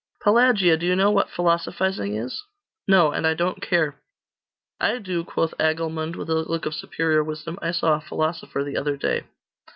'Pelagia! do you know what philosophising is?' 'No and I don't care.' 'I do,' quoth Agilmund, with a look of superior wisdom; 'I saw a philosopher the other day.